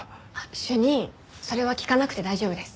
主任それは聞かなくて大丈夫です。